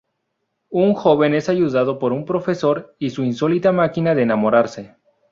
Un joven es ayudado por un profesor y su insólita máquina de enamorarse.